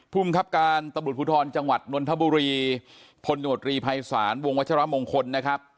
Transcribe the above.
ภูมิครับการตำรวจภูทรจังหวัดนนทบุรีพลโนตรีภัยศาลวงวัชรมงคลนะครับ